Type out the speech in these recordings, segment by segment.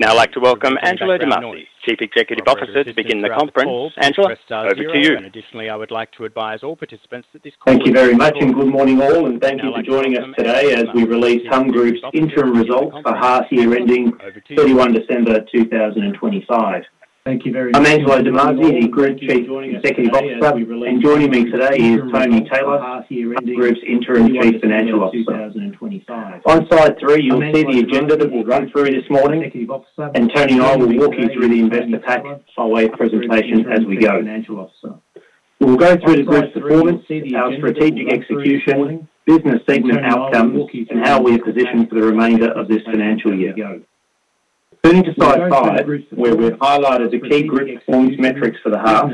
Now I'd like to welcome Angelo Demasi, Chief Executive Officer, to begin the conference. Angelo, over to you. Thank you very much, and good morning all. Thank you for joining us today as we release humm group's interim results for half-year ending 31 December 2025. I'm Angelo Demasi, the Group Chief Executive Officer, and joining me today is Tony Taylor, Group's Interim Chief Financial Officer. On Slide 3, you'll see the agenda that we'll run through this morning, and Tony and I will walk you through the investor pack by way of presentation as we go. We'll go through the group's performance, our strategic execution, business segment outcomes, and how we are positioned for the remainder of this financial year. Turning to Slide 5, where we've highlighted the key group performance metrics for the half,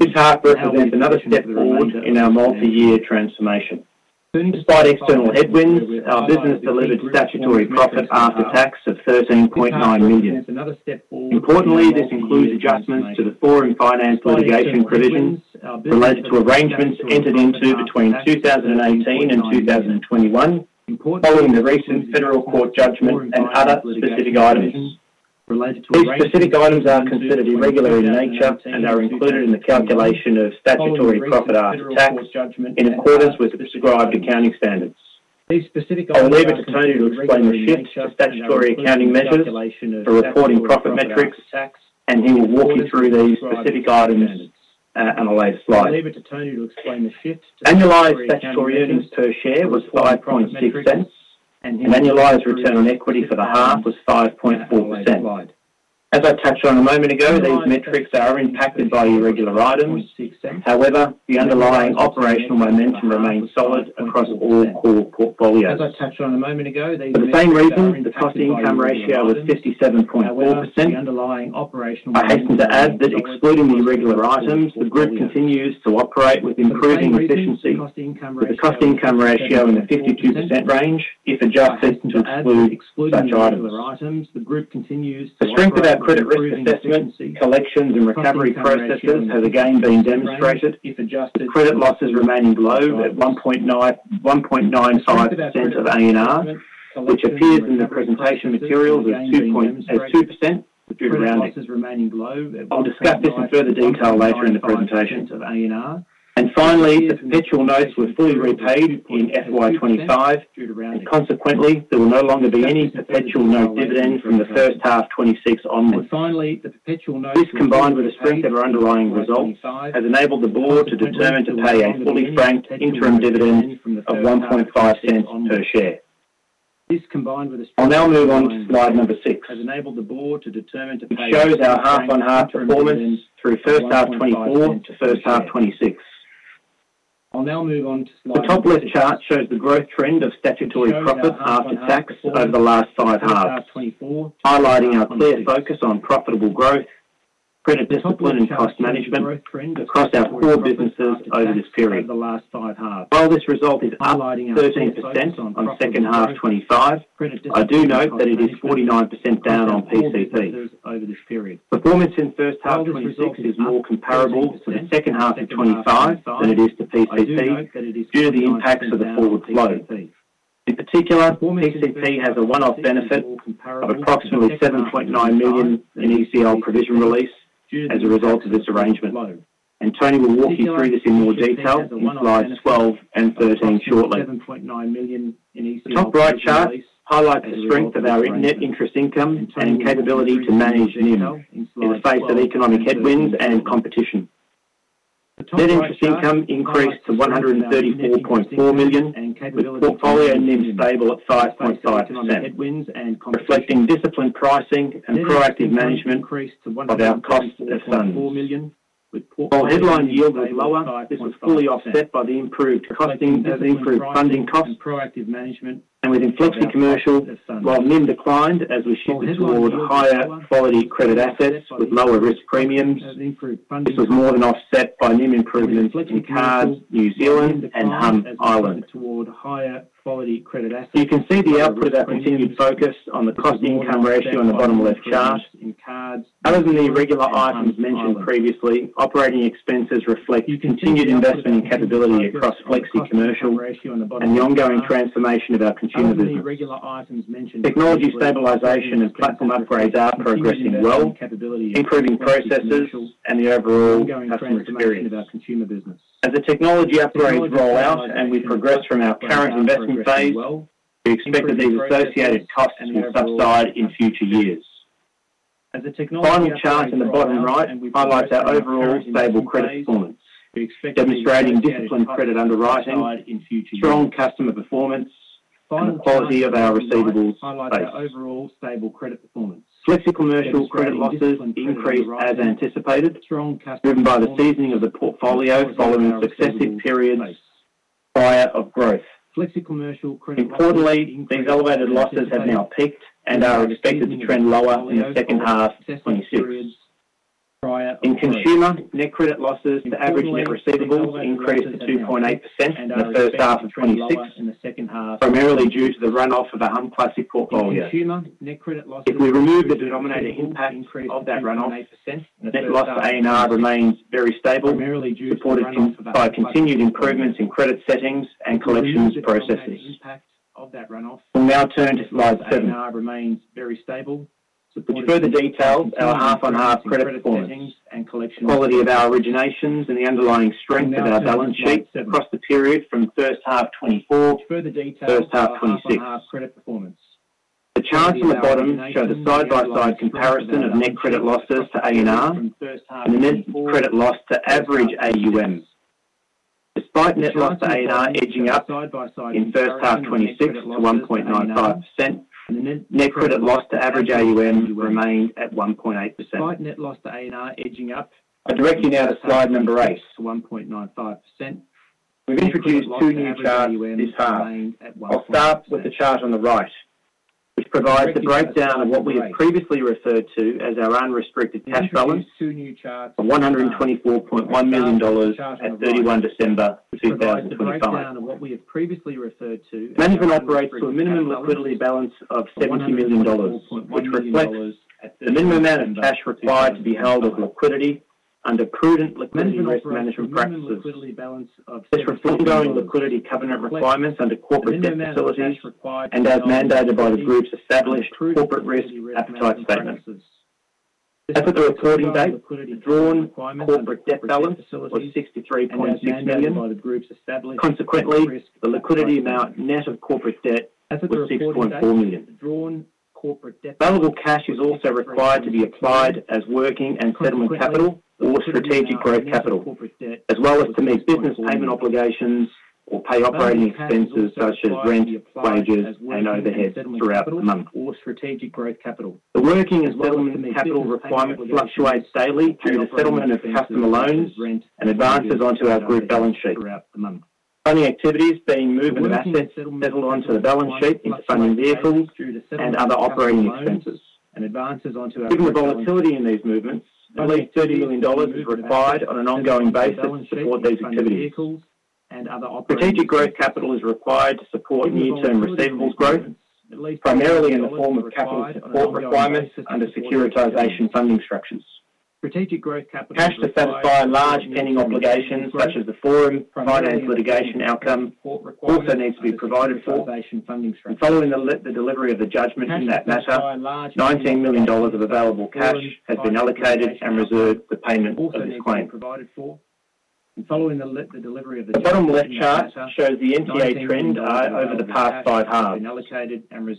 this half represents another step forward in our multi-year transformation. Despite external headwinds, our business delivered statutory profit after tax of 13.9 million. Importantly, this includes adjustments to the Forum Finance litigation provisions related to arrangements entered into between 2018 and 2021 following the recent federal court judgment and other specific items. These specific items are considered irregular in nature and are included in the calculation of statutory profit after tax in accordance with the prescribed accounting standards. I'll leave it to Tony to explain the shift to statutory accounting measures for reporting profit metrics, and he will walk you through these specific items on a later slide. Annualized statutory earnings per share was 0.056, and annualized return on equity for the half was 5.4%. As I touched on a moment ago, these metrics are impacted by irregular items. However, the underlying operational momentum remains solid across all core portfolios. For the same reason, the cost-to-income ratio was 57.4%. I hasten to add that excluding the irregular items, the group continues to operate with improving efficiency. The cost-to-income ratio is in the 52% range if adjusted to exclude such items. The strength of our credit risk assessment, collections, and recovery processes has again been demonstrated. Credit losses remain low at 1.95% of ANR, which appears in the presentation materials as 2%. I'll discuss this in further detail later in the presentation. And finally, the perpetual notes were fully repaid in FY 2025, and consequently, there will no longer be any perpetual note dividend from the first half 2026 onwards. This, combined with the strength of our underlying results, has enabled the board to determine to pay a fully franked interim dividend of 0.015 per share. I'll now move on to Slide 6, which shows our half-on-half performance through first half 2024 to first half 2026. The top-left chart shows the growth trend of statutory profit after tax over the last five halves, highlighting our clear focus on profitable growth, credit discipline, and cost management across our core businesses over this period. While this result is up 13% on second half 2025, I do note that it is 49% down on PCP. Performance in first half 2026 is more comparable to the second half of 2025 than it is to PCP due to the impacts of the forward flow. In particular, PCP has a one-off benefit of approximately 7.9 million in ECL provision release as a result of this arrangement, and Tony will walk you through this in more detail in Slides 12 and 13 shortly. The top-right chart highlights the strength of our net interest income and capability to manage NIM in the face of economic headwinds and competition. Net interest income increased to 134.4 million, with portfolio NIM stable at 5.5%, reflecting disciplined pricing and proactive management of our costs of funds. While headline yield was lower, this was fully offset by the improved funding costs and with flexicommercial. While NIM declined as we shifted toward higher-quality credit assets with lower risk premiums, this was more than offset by NIM improvements in Cards, New Zealand, and humm Ireland. You can see the output of our continued focus on the cost-to-income ratio on the bottom-left chart. Other than the irregular items mentioned previously, operating expenses reflect continued investment in capability across flexicommercial and the ongoing transformation of our consumer business. Technology stabilization and platform upgrades are progressing well, improving processes, and the overall customer experience. As the technology upgrades roll out and we progress from our current investment phase, we expect that these associated costs will subside in future years. The final chart in the bottom right highlights our overall stable credit performance, demonstrating disciplined credit underwriting, strong customer performance, and quality of our receivables base. flexicommercial credit losses increased as anticipated, driven by the seasoning of the portfolio following successive periods prior of growth. Importantly, these elevated losses have now peaked and are expected to trend lower in the second half 2026. In consumer, net credit losses to average net receivables increased to 2.8% in the first half of 2026, primarily due to the runoff of a humm Classic portfolio. If we remove the denominator impact of that runoff, net loss to ANR remains very stable, supported by continued improvements in credit settings and collections processes. We'll now turn to Slide 7, which shows the further details of our half-on-half credit performance, quality of our originations, and the underlying strength of our balance sheet across the period from first half 2024 to first half 2026. The charts on the bottom show the side-by-side comparison of net credit losses to ANR and the net credit loss to average AUM. Despite net loss to ANR edging up in first half 2026 to 1.95%, net credit loss to average AUM remained at 1.8%. I direct you now to slide number 8. We've introduced two new charts this half. I'll start with the chart on the right, which provides the breakdown of what we have previously referred to as our unrestricted cash balance of 124.1 million dollars at 31 December 2025. Management operates to a minimum liquidity balance of 70 million dollars, which reflects the minimum amount of cash required to be held of liquidity under prudent liquidity risk management practices. This reflects ongoing liquidity covenant requirements under corporate debt facilities and as mandated by the group's established corporate risk appetite statement. As for the reporting date, the drawn corporate debt balance was 63.6 million. Consequently, the liquidity amount net of corporate debt was 6.4 million. Valuable cash is also required to be applied as working and settlement capital or strategic growth capital, as well as to meet business payment obligations or pay operating expenses such as rent, wages, and overheads throughout the month. The working and settlement capital requirement fluctuates daily due to settlement of customer loans and advances onto our group balance sheet. Funding activities being movement of assets settled onto the balance sheet into funding vehicles and other operating expenses. Given the volatility in these movements, at least 30 million dollars is required on an ongoing basis to support these activities. Strategic growth capital is required to support near-term receivables growth, primarily in the form of capital support requirements under securitization funding structures. Cash to satisfy large pending obligations such as the foreign finance litigation outcome also needs to be provided for. Following the delivery of the judgment in that matter, 19 million dollars of available cash has been allocated and reserved for payment of this claim. The bottom-left chart shows the NTA trend over the past five halves.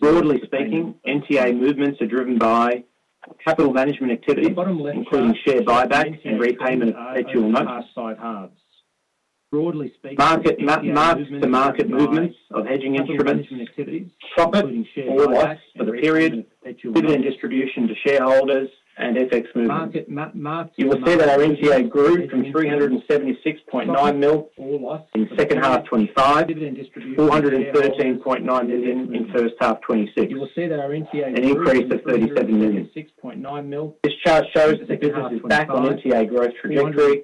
Broadly speaking, NTA movements are driven by capital management activities, including share buyback and repayment of perpetual notes. Mark-to-market movements of hedging instruments, profit or loss for the period, dividend distribution to shareholders, and FX movements. You will see that our NTA grew from 376.9 million in second half 2025 to 413.9 million in first half 2026, an increase of 37 million. This chart shows that the business is back on NTA growth trajectory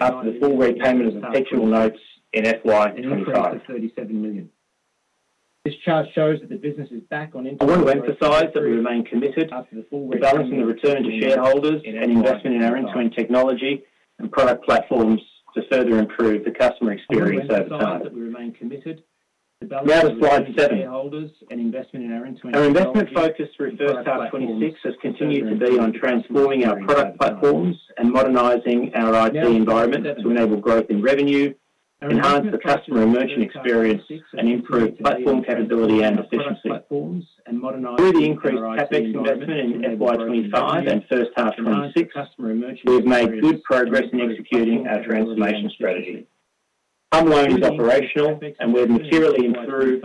after the full repayment of perpetual notes in FY 2025. This chart shows that the business is back on NTA growth trajectory. I want to emphasize that we remain committed to balancing the return to shareholders and investment in our infrastructure technology and product platforms to further improve the customer experience over time. Now to Slide 7. Our investment focus through first half 2026 has continued to be on transforming our product platforms and modernizing our IT environment to enable growth in revenue, enhance the customer and merchant experience, and improve platform capability and efficiency. Through the increased CapEx investment in FY 2025 and first half 2026, we have made good progress in executing our transformation strategy. humm loan is operational, and we have materially improved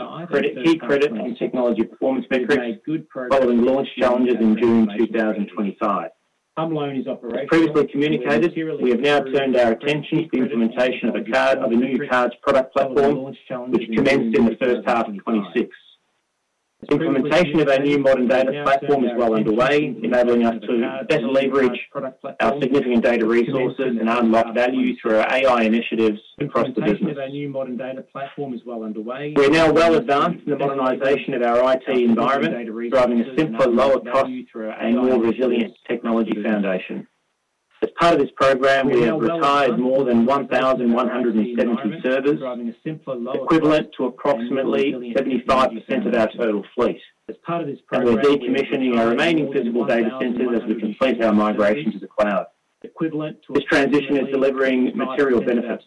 key credit and technology performance metrics following launch challenges in June 2025. As previously communicated, we have now turned our attention to the implementation of a new Cards product platform, which commenced in the first half of 2026. Implementation of our new modern data platform is well underway, enabling us to better leverage our significant data resources and unlock value through our AI initiatives across the business. We are now well advanced in the modernization of our IT environment, driving a simpler, lower-cost, and more resilient technology foundation. As part of this program, we have retired more than 1,170 servers, equivalent to approximately 75% of our total fleet, and we are decommissioning our remaining physical data centers as we complete our migration to the cloud. This transition is delivering material benefits: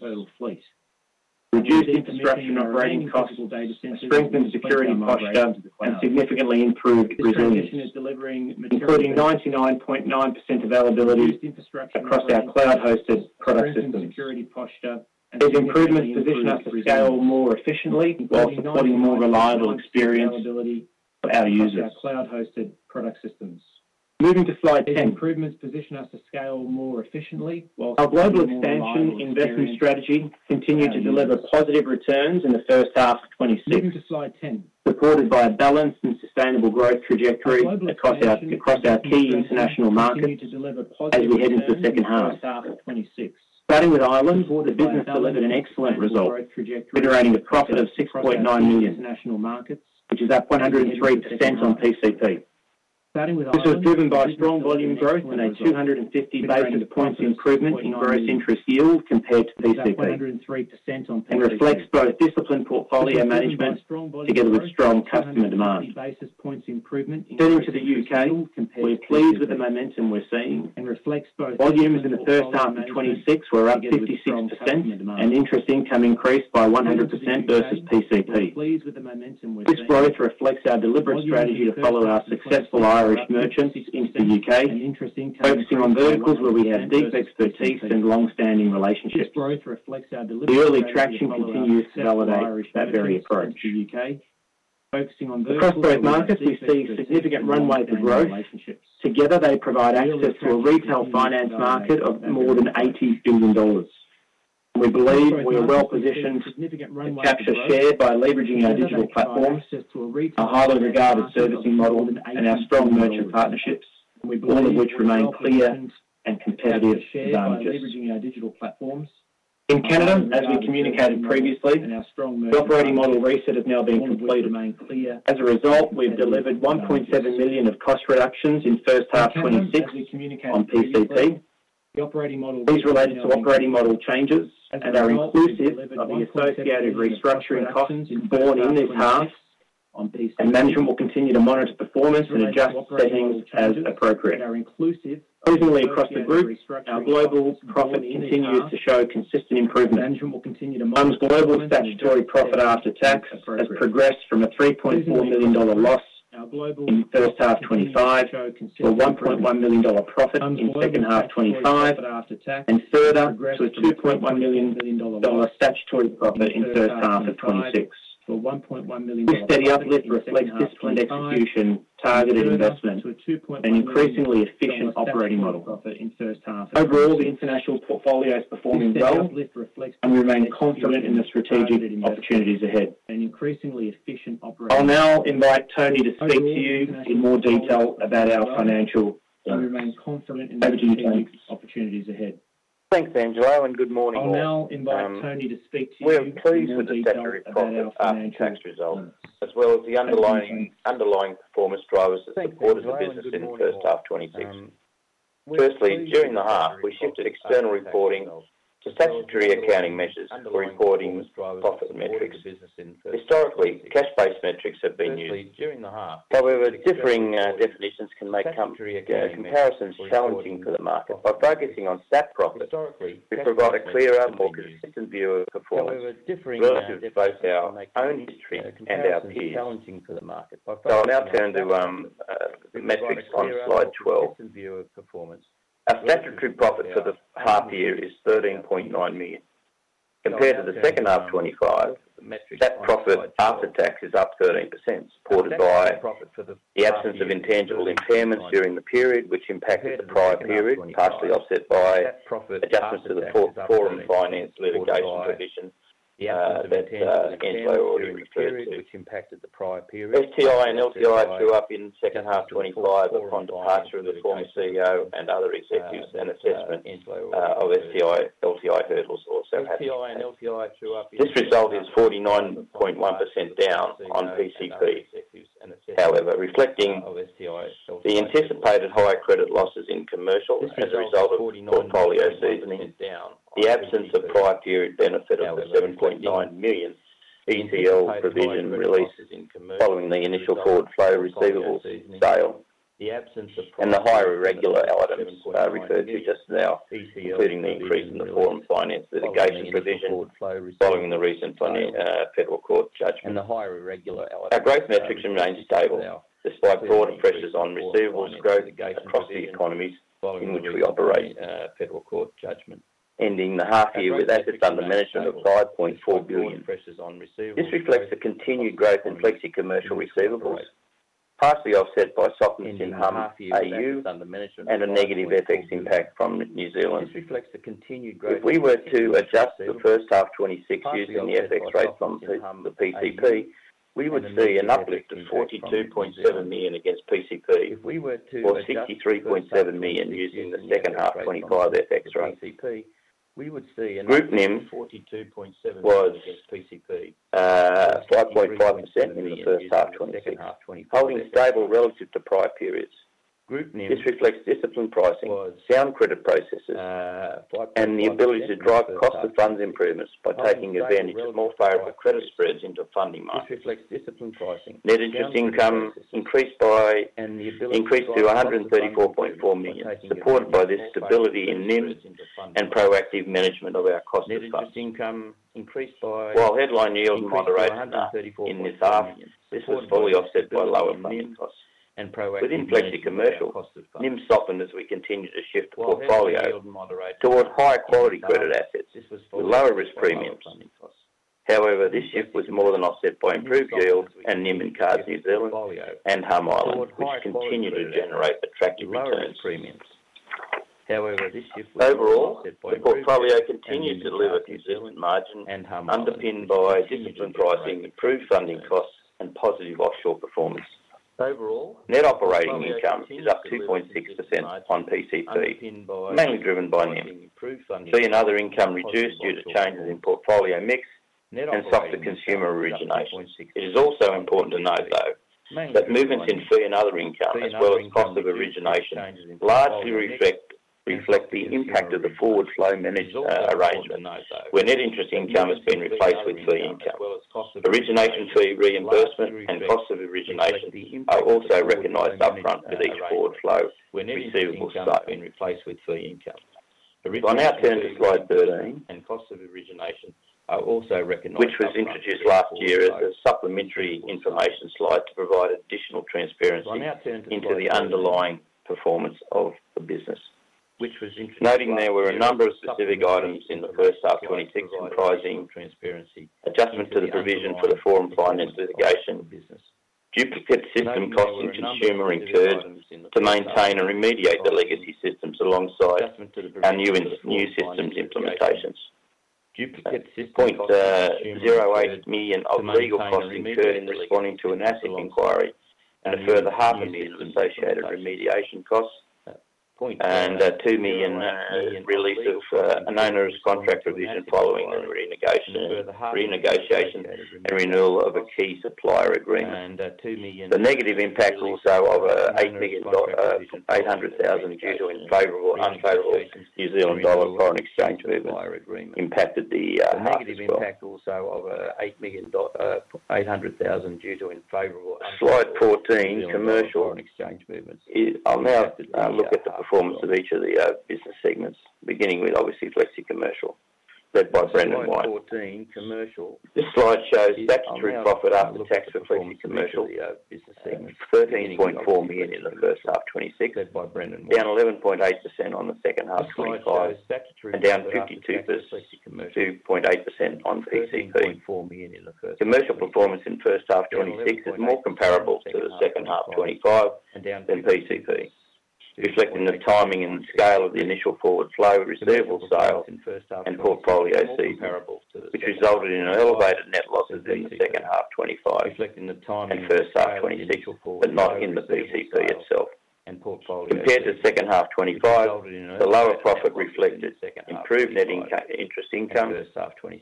reduced infrastructure and operating costs, a strengthened security posture, and significantly improved resilience, including 99.9% availability across our cloud-hosted product systems. These improvements position us to scale more efficiently while supporting a more reliable experience for our users. Moving to slide 10. These improvements position us to scale more efficiently while. Our global expansion investment strategy continued to deliver positive returns in the first half of 2026, supported by a balanced and sustainable growth trajectory across our key international markets as we head into the second half. Starting with Ireland, the business delivered an excellent result, generating a profit of 6.9 million, which is up 103% on PCP. This was driven by strong volume growth and a 250 basis points improvement in gross interest yield compared to PCP, and reflects both disciplined portfolio management together with strong customer demand. Turning to the U.K., we are pleased with the momentum we're seeing. Volumes in the first half of 2026 were up 56%, and interest income increased by 100% versus PCP. This growth reflects our deliberate strategy to follow our successful Irish merchants into the U.K., focusing on verticals where we have deep expertise and longstanding relationships. The early traction continues to validate that very approach. Across both markets, we see significant runway for growth. Together, they provide access to a retail finance market of more than 80 billion dollars, and we believe we are well positioned to capture share by leveraging our digital platforms, our highly regarded servicing model, and our strong merchant partnerships, all of which remain clear and competitive advantages. In Canada, as we communicated previously, the operating model reset has now been completed. As a result, we have delivered 1.7 million of cost reductions in first half 2026 on PCP. These related to operating model changes and are inclusive of the associated restructuring costs borne in this half, and management will continue to monitor performance and adjust settings as appropriate. Reasonably across the group, our global profit continues to show consistent improvement. humm's global statutory profit after tax has progressed from an 3.4 million dollar loss in first half 2025 to an 1.1 million dollar profit in second half 2025, and further to an 2.1 million dollar statutory profit in first half of 2026. This steady uplift reflects disciplined execution, targeted investment, and an increasingly efficient operating model. Overall, the international portfolio is performing well, and we remain confident in the strategic opportunities ahead. I'll now invite Tony to speak to you in more detail about our financial and strategic opportunities ahead. Thanks, Angelo, and good morning all. I'll now invite Tony to speak to you in more detail about our financial and strategic tax results, as well as the underlying performance drivers that supported the business in first half 2026. Firstly, during the half, we shifted external reporting to statutory accounting measures for reporting profit metrics. Historically, cash-based metrics have been used. However, differing definitions can make comparisons challenging for the market. By focusing on Stat profit, we provide a clearer, more consistent view of performance relative to both our own history and our peers. So I'll now turn to the metrics on slide 12. Our statutory profit for the half year is 13.9 million. Compared to the second half 2025, Stat profit after tax is up 13%, supported by the absence of intangible impairments during the period which impacted the prior period, partially offset by adjustments to the foreign finance litigation provision that Angelo already referred to. STI and LTI true up in second half 2025 upon departure of the former CEO and other executives, and assessment of STI/LTI hurdles also happened. This result is 49.1% down on PCP. However, reflecting the anticipated higher credit losses in commercial as a result of portfolio seasoning, the absence of prior period benefit of the 7.9 million ECL provision released following the initial forward flow receivables sale, and the higher irregular items referred to just now, including the increase in the foreign finance litigation provision following the recent federal court judgment, our growth metrics remain stable despite broader pressures on receivables growth across the economies in which we operate federal court judgment. Ending the half year with assets under management of 5.4 billion, this reflects a continued growth in flexicommercial receivables, partially offset by softness in humm AU and a negative FX impact from New Zealand. If we were to adjust the first half 2026 using the FX rate from the PCP, we would see an uplift of 42.7 million against PCP or 63.7 million using the second half 2025 FX rate. Group NIM was 5.5% in the first half 2026, holding stable relative to prior periods. This reflects disciplined pricing, sound credit processes, and the ability to drive cost-of-funds improvements by taking advantage of more favorable credit spreads into funding markets. Net interest income increased to 134.4 million, supported by this stability in NIM and proactive management of our cost-of-funds. While headline yield moderated in this half, this was fully offset by lower funding costs. Within flexicommercial, NIM softened as we continued to shift the portfolio toward higher-quality credit assets with lower-risk premiums. However, this shift was more than offset by improved yields and NIM in Cards New Zealand and humm Ireland, which continue to generate attractive returns. Overall, the portfolio continued to deliver New Zealand margin, underpinned by disciplined pricing, improved funding costs, and positive offshore performance. Net operating income is up 2.6% on PCP, mainly driven by NIM. Fee and other income reduced due to changes in portfolio mix and softer consumer origination. It is also important to note, though, that movements in fee and other income, as well as cost of origination, largely reflect the impact of the forward flow arrangement, where net interest income has been replaced with fee income. Origination fee reimbursement and cost of origination are also recognized upfront with each forward flow receivables starting to be replaced with fee income. I'll now turn to Slide 13, which was introduced last year as a supplementary information slide to provide additional transparency into the underlying performance of the business. Noting there were a number of specific items in the first half 2026 comprising adjustment to the provision for the foreign finance litigation, duplicate system costs and consumer incurred to maintain or remediate the legacy systems alongside our new systems implementations. 0.08 million of legal costs incurred in responding to an ASIC inquiry and a further half of the associated remediation costs, and 2 million release of an onerous contract provision following the renegotiation and renewal of a key supplier agreement. The negative impact also of an 800,000 due to unfavorable New Zealand dollar foreign exchange movement impacted the half as well. Slide 14, commercial. I'll now look at the performance of each of the business segments, beginning with, obviously, flexicommercial led by Brendan White. This slide shows statutory profit after tax for flexicommercial: 13.4 million in the first half 2026, down 11.8% on the second half 2025, and down 52.8% on PCP. Commercial performance in first half 2026 is more comparable to the second half 2025 than PCP, reflecting the timing and scale of the initial forward flow receivables sale and portfolio seeding, which resulted in elevated net losses in the second half 2025 and first half 2026, but not in the PCP itself. Compared to second half 2025, the lower profit reflected improved net interest income,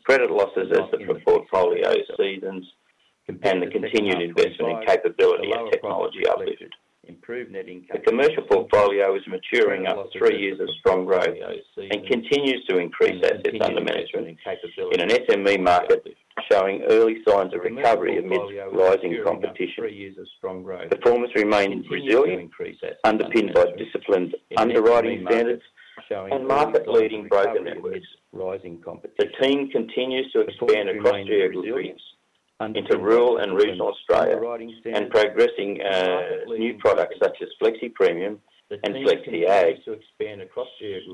credit losses as the portfolio seasons, and the continued investment in capability and technology uplift. The commercial portfolio is maturing up three years of strong growth and continues to increase assets under management in an SME market showing early signs of recovery amidst rising competition. Performance remains resilient, underpinned by disciplined underwriting standards and market-leading broker networks. The team continues to expand across geographies into rural and regional Australia and progressing new products such as Flexi Premium and Flexi Ag,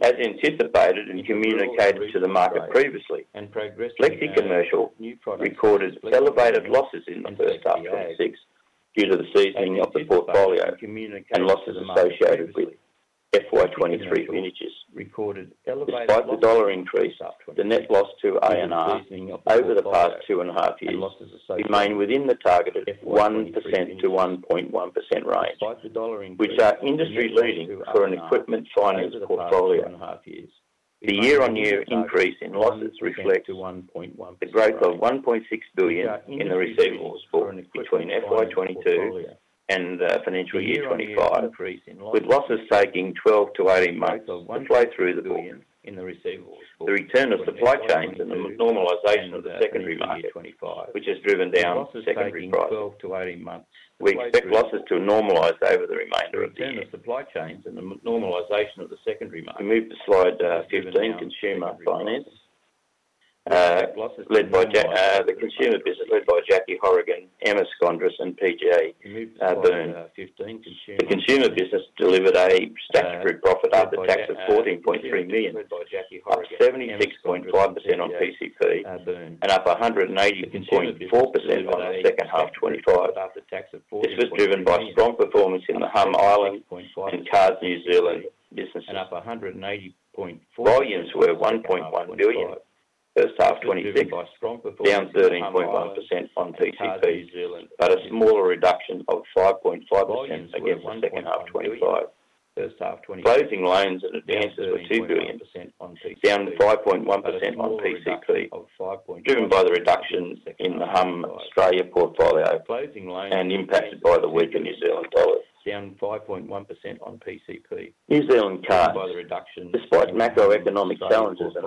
as anticipated and communicated to the market previously. flexicommercial recorded elevated losses in the first half 2026 due to the seasoning of the portfolio and losses associated with FY 2023 vintages. Despite the dollar increase, the net loss to ANR over the past two and a half years remained within the targeted 1%-1.1% range, which are industry-leading for an equipment finance portfolio. The year-on-year increase in losses reflects the growth of 1.6 billion in the receivables book between FY 2022 and financial year 2025, with losses taking 12-18 months to flow through the billion. The return of supply chains and the normalization of the secondary market, which has driven down secondary pricing. We expect losses to normalise over the remainder of the year. We move to Slide 15, consumer finance, led by the consumer business led by Jacqui Hourigan, Emma Skondras, and PJ Byrne. The consumer business delivered a statutory profit after tax of 14.3 million, up 76.5% on PCP, and up 180.4% on the second half 2025. This was driven by strong performance in the humm Ireland and Cards New Zealand businesses. Volumes were 1.1 billion first half 2026, down 13.1% on PCP, but a smaller reduction of 5.5% against the second half 2025. Closing loans and advances were 2 billion, down 5.1% on PCP, driven by the reduction in the humm Australia portfolio and impacted by the weaker New Zealand dollar. New Zealand Cards, despite macroeconomic challenges and a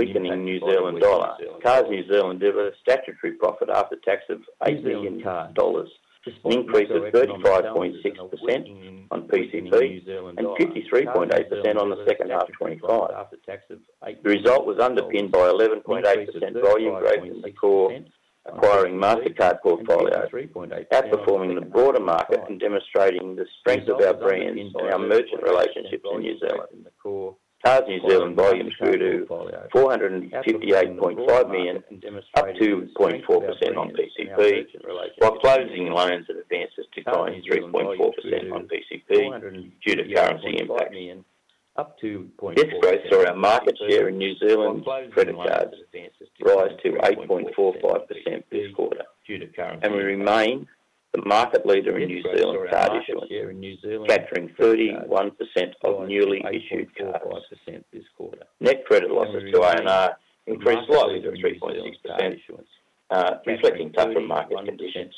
weakening New Zealand dollar, Cards New Zealand delivered a statutory profit after tax of 8 million dollars, an increase of 35.6% on PCP, and 53.8% on the second half 2025. The result was underpinned by 11.8% volume growth in the core acquiring Mastercard portfolio, outperforming the broader market and demonstrating the strength of our brands and our merchant relationships in New Zealand. Cards New Zealand volumes grew to 458.5 million, up 2.4% on PCP, while closing loans and advances declined 3.4% on PCP due to currency impacts. This growth saw our market share in New Zealand credit cards rise to 8.45% this quarter, and we remain the market leader in New Zealand card issuance, capturing 31% of newly issued cards. Net credit losses to ANR increased slightly to 3.6%, reflecting tougher market conditions.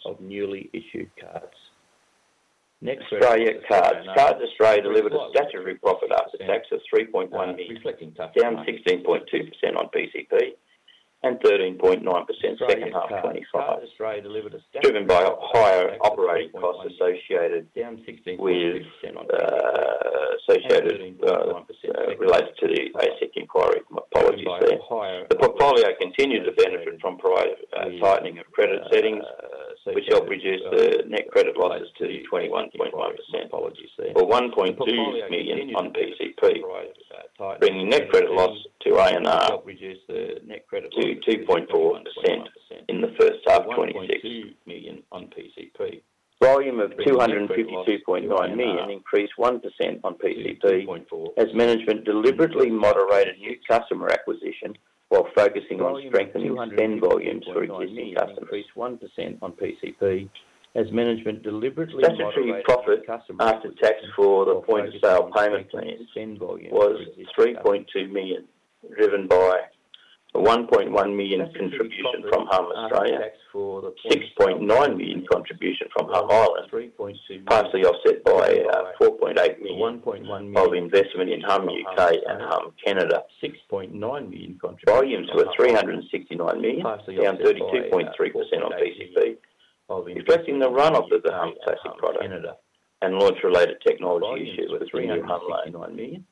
Australia Cards delivered a statutory profit after tax of 3.1 million, down 16.2% on PCP, and 13.9% second half 2025, driven by higher operating costs associated related to the ASIC inquiry. The portfolio continued to benefit from tightening of credit settings, which helped reduce the net credit losses to 21.1% or 1.2 million on PCP, bringing net credit loss to ANR to 2.4% in the first half 2026. Volume of 252.9 million increased 1% on PCP as management deliberately moderated new customer acquisition while focusing on strengthening spend volumes for existing customers. Statutory profit after tax for the point-of-sale payment plans was 3.2 million, driven by a 1.1 million contribution from humm Australia, 6.9 million contribution from humm Ireland, partially offset by 4.8 million of investment in humm U.K. and humm Canada. Volumes were 369 million, down 32.3% on PCP, reflecting the run-off of the humm Classic product and launch-related technology issues with 369 million,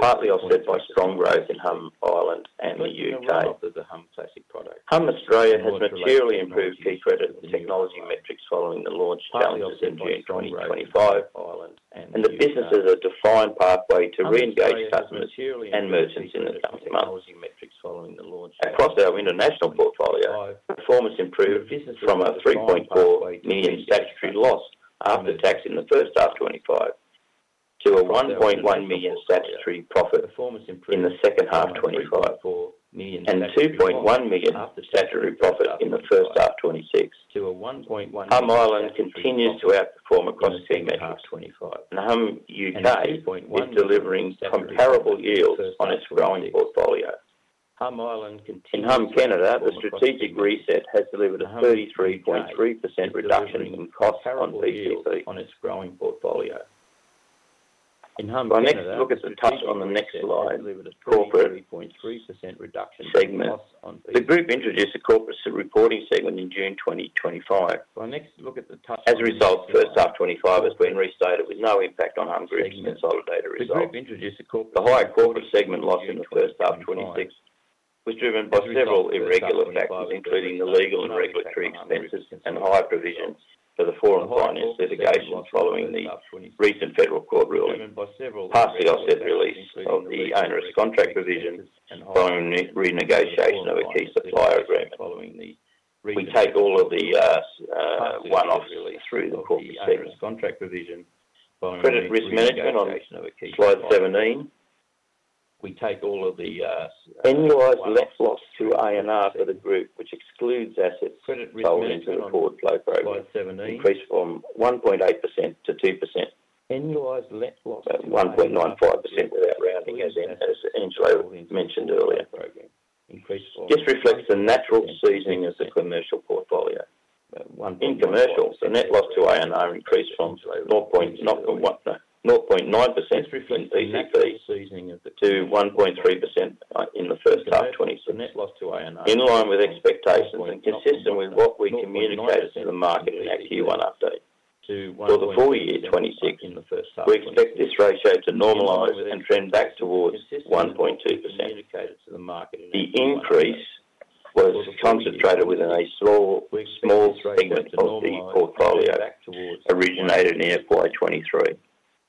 partly offset by strong growth in humm Ireland and the U.K. humm Australia has materially improved key credit technology metrics following the launch challenges in June 2025, and the business has a defined pathway to re-engage customers and merchants in the coming months. Across our international portfolio, performance improved from an 3.4 million statutory loss after tax in the first half 2025 to an 1.1 million statutory profit in the second half 2025 and an 2.1 million statutory profit in the first half 2026. humm Ireland continues to outperform across key metrics, and humm U.K. is delivering comparable yields on its growing portfolio. In humm Canada, the strategic reset has delivered a 33.3% reduction in costs on PCP. If I next turn to the next slide, corporate segment, the group introduced a corporate reporting segment in June 2025. As a result, first half 2025 has been restated with no impact on humm group's consolidated result. The higher corporate segment loss in the first half 2026 was driven by several irregular factors, including the legal and regulatory expenses and high provision for the foreign finance litigation following the recent federal court ruling, partially offset release of the owner's contract provision following renegotiation of a key supplier agreement. We take all of the one-offs through the corporate segment. Credit risk management on Slide 17, we take all of the annualized net loss to ANR for the group, which excludes assets sold into the forward flow program, increased from 1.8% to 2%. Annualized net loss to ANR, 1.95% without rounding, as Angelo mentioned earlier, just reflects the natural seasoning of the commercial portfolio. In commercial, the net loss to ANR increased from 0.9% in PCP to 1.3% in the first half 2026, in line with expectations and consistent with what we communicated to the market in our Q1 update. For the full year 2026, we expect this ratio to normalize and trend back towards 1.2%. The increase was concentrated within a small segment of the portfolio originated in FY 2023,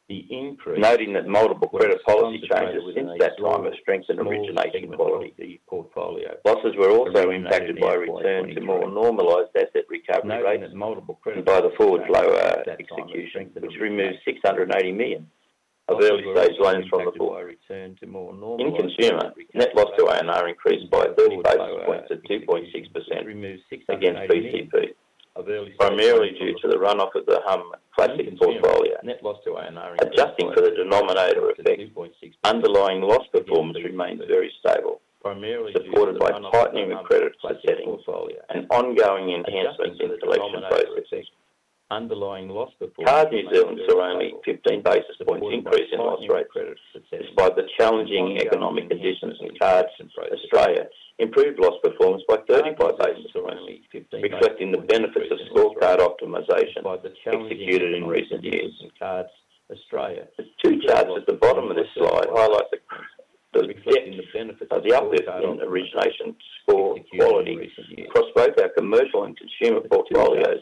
noting that multiple credit policy changes since that time have strengthened originating quality. Losses were also impacted by return to more normalised asset recovery rates and by the forward flow execution, which removed 680 million of early-stage loans from the book. In consumer, net loss to ANR increased by 30 basis points to 2.6% against PCP, primarily due to the run-off of the humm Classic portfolio. Adjusting for the denominator effect, underlying loss performance remains very stable, supported by tightening of credit settings and ongoing enhancements in collection processes. Cards New Zealand saw only a 15 basis points increase in loss rates. Despite the challenging economic conditions, Cards Australia improved loss performance by 35 basis points, reflecting the benefits of score card optimization executed in recent years. The two charts at the bottom of this slide highlight the depth of the uplift in origination score quality across both our commercial and consumer portfolios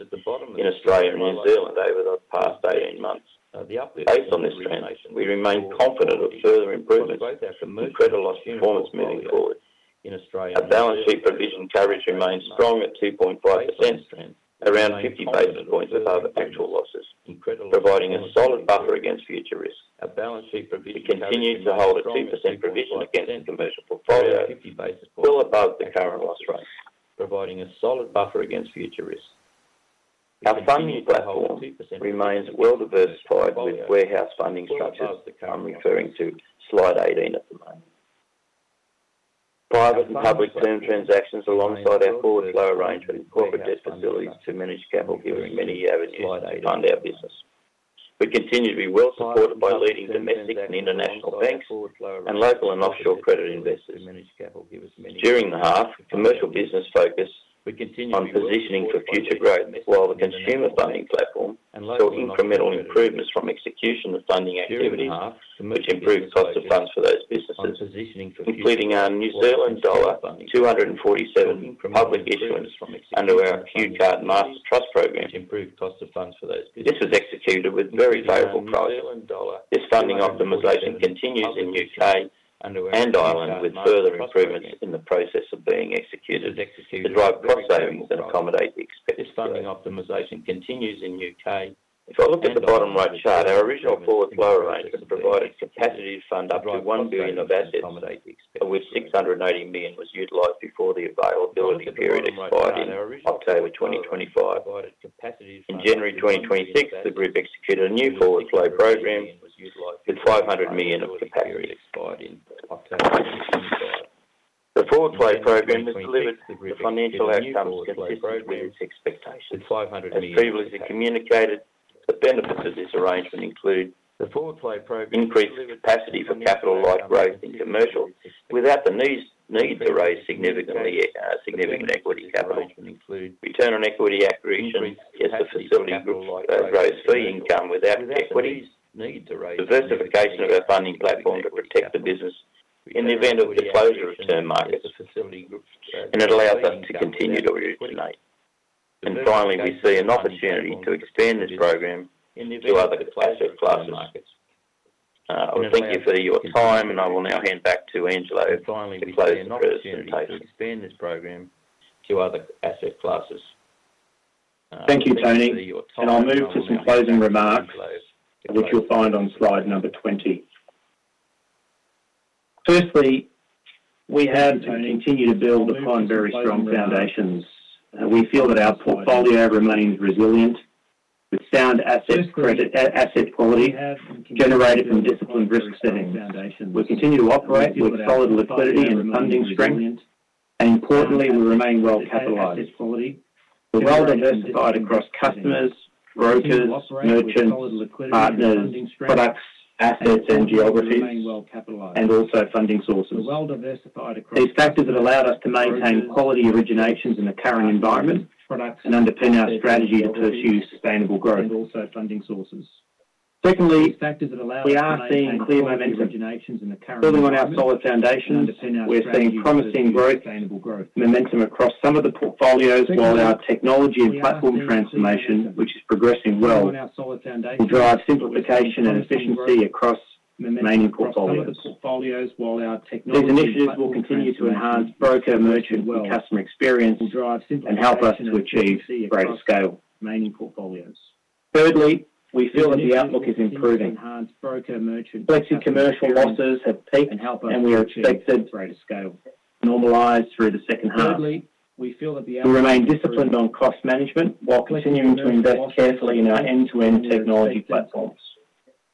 in Australia and New Zealand over the past 18 months. Based on this trend, we remain confident of further improvements in credit loss performance moving forward. Our balance sheet provision coverage remains strong at 2.5%, around 50 basis points above actual losses, providing a solid buffer against future risk. We continue to hold a 2% provision against the commercial portfolio, still above the current loss rate, providing a solid buffer against future risk. Our funding platform remains well-diversified with warehouse funding structures. I'm referring to slide 18 at the moment. Private and public term transactions alongside our forward flow arrangement and corporate debt facilities to manage capital given in many avenues fund our business. We continue to be well-supported by leading domestic and international banks and local and offshore credit investors. During the half, commercial business focused on positioning for future growth, while the consumer funding platform saw incremental improvements from execution of funding activities, which improved costs of funds for those businesses, including our New Zealand Dollar 247 public issuance under our Q Card Master Trust program. This was executed with very favorable prices. This funding optimisation continues in U.K. and Ireland with further improvements in the process of being executed to drive cost savings and accommodate the expected growth. If I look at the bottom right chart, our original forward flow arrangement provided capacity to fund up to 1 billion of assets, of which 680 million was utilised before the availability period expired in October 2025. In January 2026, the group executed a new forward flow program with 500 million of capacity expired in October. The forward flow program has delivered the financial outcomes consistent with its expectations. As previously communicated, the benefits of this arrangement include increased capacity for capital-like growth in commercial without the need to raise significant equity capital, return on equity acquisition, yes, the facility groups raise fee income without equity, diversification of our funding platform to protect the business in the event of disclosure of term markets, and it allows us to continue to originate. And finally, we see an opportunity to expand this program to other asset classes. I would thank you for your time, and I will now hand back to Angelo to close the presentation. Expand this program to other asset classes. Thank you, Tony. And I'll move to some closing remarks, which you'll find on slide number 20. Firstly, we have continued to build upon very strong foundations. We feel that our portfolio remains resilient with sound asset quality generated from disciplined risk settings. We continue to operate with solid liquidity and funding strength, and importantly, we remain well-capitalized. We're well-diversified across customers, brokers, merchants, partners, products, assets, and geographies, and also funding sources. These factors have allowed us to maintain quality originations in the current environment and underpin our strategy to pursue sustainable growth. Secondly, we are seeing clear momentum building on our solid foundations. We're seeing promising growth momentum across some of the portfolios, while our technology and platform transformation, which is progressing well, will drive simplification and efficiency across remaining portfolios. These initiatives will continue to enhance broker, merchant, and customer experience and help us to achieve greater scale. Thirdly, we feel that the outlook is improving. Selected commercial losses have peaked, and we are expected to normalise through the second half. We remain disciplined on cost management while continuing to invest carefully in our end-to-end technology platforms.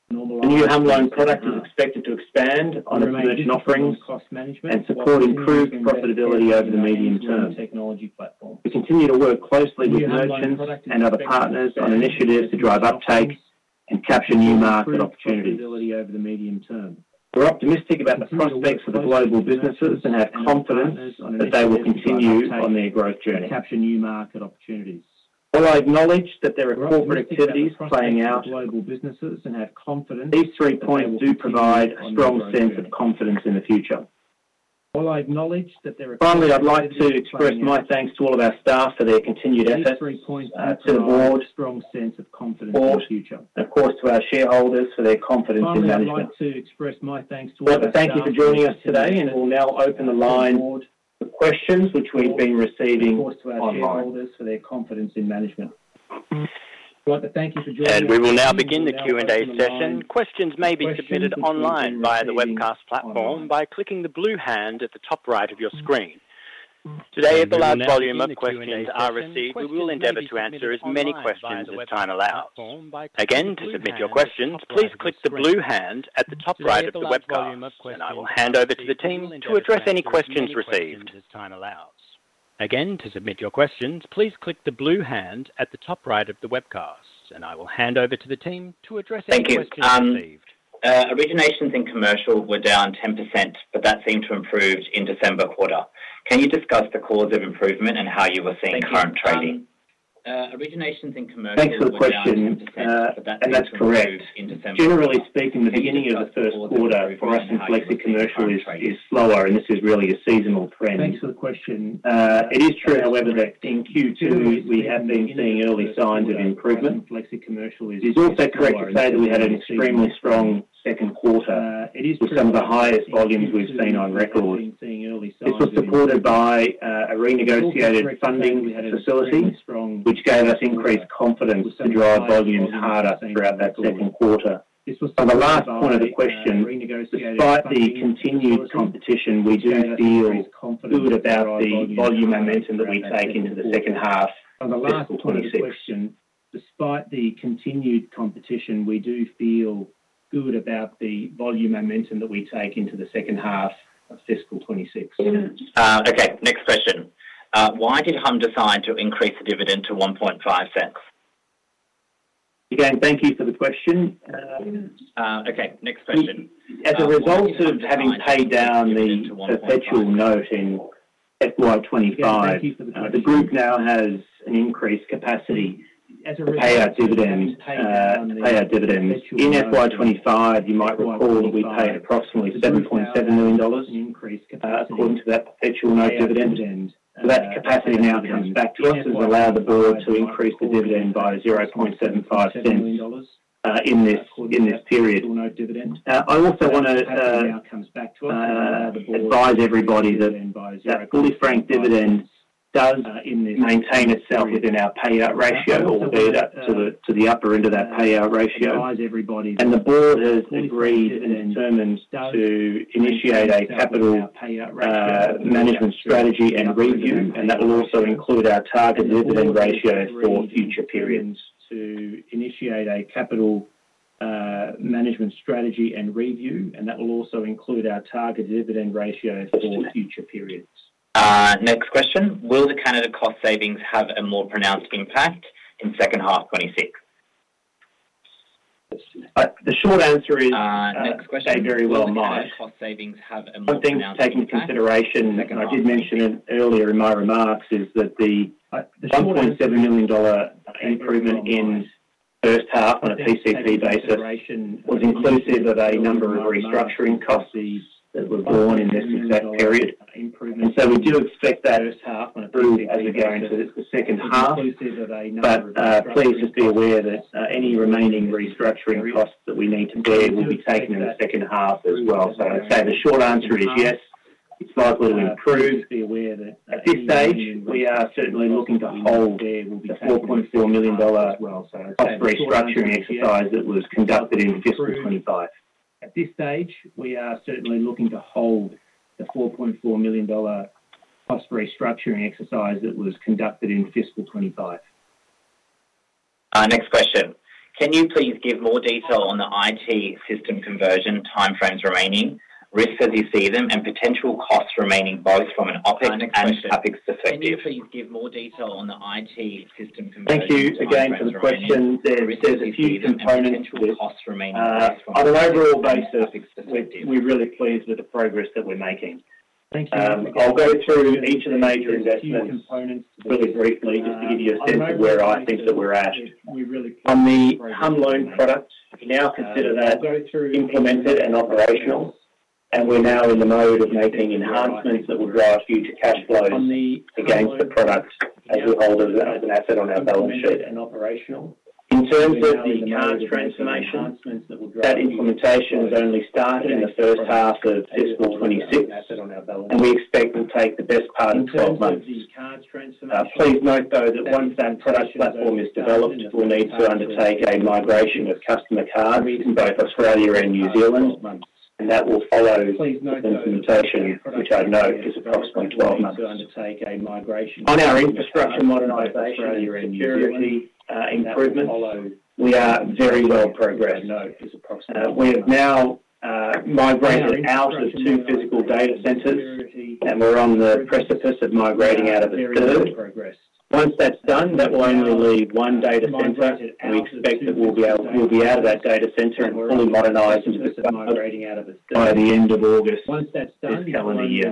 The new humm loan product is expected to expand on its merchant offerings and support improved profitability over the medium term. We continue to work closely with merchants and other partners on initiatives to drive uptake and capture new market opportunities. We're optimistic about the prospects for the global businesses and have confidence that they will continue on their growth journey. While I acknowledge that there are corporate activities playing out, these three points do provide a strong sense of confidence in the future. Finally, I'd like to express my thanks to all of our staff for their continued efforts, to the board, for the strong sense of confidence in the future. Of course, to our shareholders for their confidence in management. Finally, I'd like to express my thanks to all of our staff. All right, but thank you for joining us today, and we'll now open the line hand at the top right of the webcast, and I will hand over to the team to address any questions received. Again, to submit your questions, please click the blue hand at the top right of the webcast, and I will hand over to the team to address any questions received. Thank you. Originations in commercial were down 10%, but that seemed to improve in December quarter. Can you discuss the cause of improvement and how you were seeing current trading? Originations in commercial were down 10%, and that's correct. Generally speaking, the beginning of the first quarter for us in flexicommercial is slower, and this is really a seasonal trend. Thanks for the question. It is true, however, that in Q2 we have been seeing early signs of improvement. It is also correct to say that we had an extremely strong second quarter with some of the highest volumes we've seen on record. This was supported by a renegotiated funding facility, which gave us increased confidence to drive volumes harder throughout that second quarter. On the last point of the question, despite the continued competition, we do feel good about the volume momentum that we take into the second half of fiscal 2026. Despite the continued competition, we do feel good about the volume momentum that we take into the second half of fiscal 2026. Okay. Next question. Why did humm decide to increase the dividend to 0.015? Again, thank you for the question. Okay. Next question. As a result of having paid down the perpetual note in FY 2025, the group now has an increased capacity to pay our dividend. Pay our dividend. In FY 2025, you might recall that we paid approximately 7.7 million dollars according to that perpetual note dividend. So that capacity now comes back to us and has allowed the board to increase the dividend by 0.0075 in this period. I also want to advise everybody that that fully frank dividend does maintain itself within our payout ratio, albeit up to the upper end of that payout ratio. The board has agreed and determined to initiate a capital management strategy and review, and that will also include our target dividend ratio for future periods. Next question. Will the Canada cost savings have a more pronounced impact in second half 2026? The short answer is, they very well might. Cost savings have a more pronounced impact. One thing taking into consideration, and I did mention it earlier in my remarks, is that the 1.7 million dollar improvement in first half on a PCP basis was inclusive of a number of restructuring costs that were borne in this exact period. So we do expect that first half, as we go into the second half. But please just be aware that any remaining restructuring costs that we need to bear will be taken in the second half as well. So I'd say the short answer is yes, it's likely to improve. At this stage, we are certainly looking to hold the 4.4 million dollar cost restructuring exercise that was conducted in fiscal 2025. At this stage, we are certainly looking to hold the 4.4 million dollar cost restructuring exercise that was conducted in fiscal 2025. Next question. Can you please give more detail on the IT system conversion timeframes remaining, risks as you see them, and potential costs remaining both from an OPEX and CAPEX perspective? Can you please give more detail on the IT system conversion timeframes remaining? Thank you again for the question. There's a few components with. On an overall basis, we're really pleased with the progress that we're making. I'll go through each of the major investments really briefly, just to give you a sense of where I think that we're at. On the humm loan product, we now consider that implemented and operational, and we're now in the mode of making enhancements that will drive future cash flows against the product as we hold it as an asset on our balance sheet. In terms of the card transformation, that implementation has only started in the first half of fiscal 2026, and we expect it will take the best part of 12 months. Please note, though, that once that product platform is developed, we'll need to undertake a migration of customer cards in both Australia and New Zealand, and that will follow the implementation, which I'd note is approximately 12 months. On our infrastructure modernization and security improvements, we are very well-progressed. We have now migrated out of 2 physical data centers, and we're on the precipice of migrating out of a third. Once that's done, that will only leave 1 data center, and we expect that we'll be out of that data center and fully modernized into the. By the end of August this calendar year.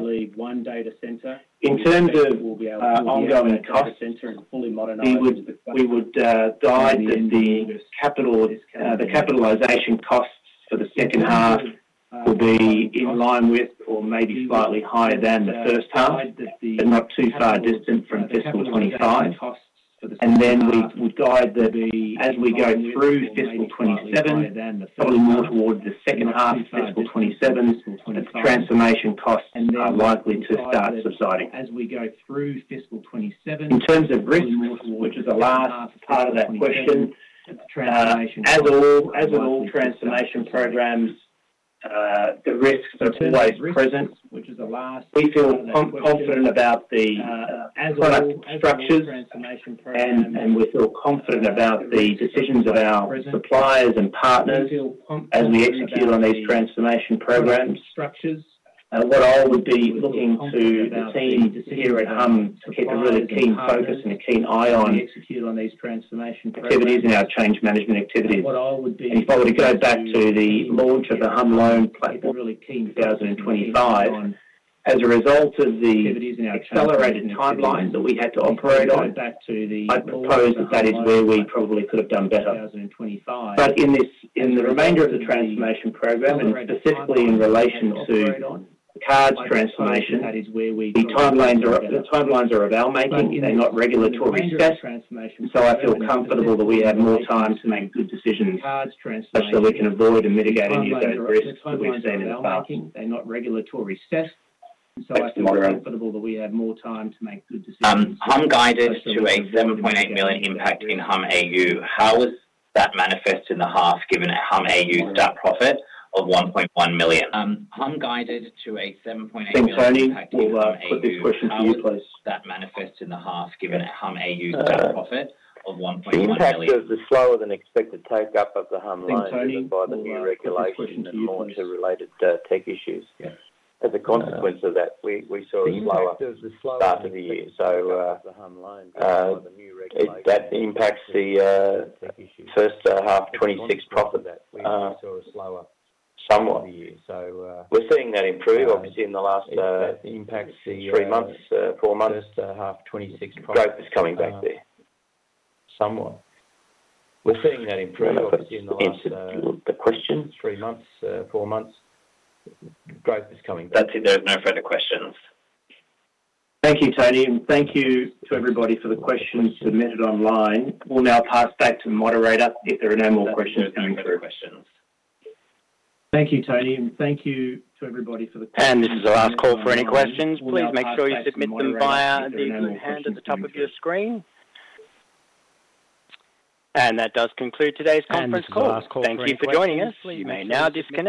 In terms of ongoing costs, we would guide that the capitalization costs for the second half will be in line with or maybe slightly higher than the first half, but not too far distant from fiscal 2025. And then we'd guide that as we go through fiscal 2027, probably more towards the second half of fiscal 2027, that the transformation costs are likely to start subsiding. In terms of risks, which is the last part of that question, as with all transformation programs, the risks are always present. We feel confident about the product structures, and we feel confident about the decisions of our suppliers and partners as we execute on these transformation programs. What I would be looking to the team here at humm to keep a really keen focus and a keen eye on activities in our change management activities. And if I were to go back to the launch of the humm loan platform. Really keen. 2025, as a result of the accelerated timelines that we had to operate on, I'd propose that that is where we probably could have done better. But in the remainder of the transformation program, and specifically in relation to the cards transformation, the timelines are of our making. They're not regulatory set, and so I feel comfortable that we have more time to make good decisions so that we can avoid and mitigate any of those risks that we've seen in the past. I feel comfortable that we have more time to make good decisions. humm guided to an 7.8 million impact in humm AU, how was that manifest in the half given at humm AU's stat profit of 1.1 million? humm guided to an 7.8 million impact in humm AU. Thanks, Tony. I'll put this question to you, please. How was that manifest in the half given at humm AU's stat profit of 1.1 million? The impact was the slower-than-expected take-up of the humm loan by the new regulation and more to related tech issues. As a consequence of that, we saw a slower start of the year. So the humm loan by the new regulation. That impacts the first half 2026 profit. We saw a slower start of the year. We're seeing that improve, obviously, in the last three months, four months. Growth is coming back there. Somewhat. We're seeing that improve, obviously, in the last three months. Growth is coming back. That's it. There's no further questions. Thank you, Tony, and thank you to everybody for the questions submitted online. We'll now pass back to the moderator if there are no more questions coming through. Thank you, Tony, and thank you to everybody for the questions. This is the last call for any questions. Please make sure you submit them via the blue hand at the top of your screen. That does conclude today's conference call. Thank you for joining us. You may now disconnect.